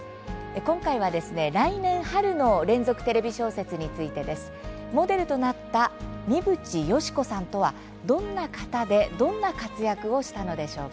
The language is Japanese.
今回は、来年春の連続テレビ小説についてです。モデルとなった三淵嘉子さんとはどんな方でどんな活躍をしたのでしょうか。